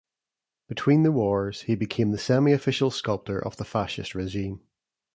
Between the wars, he became the semi-official sculptor of the fascist regime.